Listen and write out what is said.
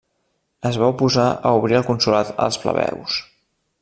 Es va oposar a obrir el consolat als plebeus.